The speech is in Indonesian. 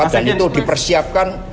dan itu dipersiapkan